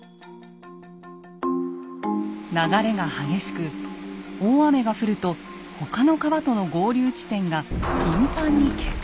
流れが激しく大雨が降ると他の川との合流地点が頻繁に決壊。